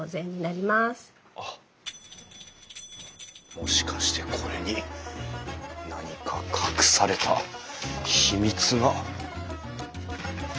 もしかしてこれに何か隠された秘密が？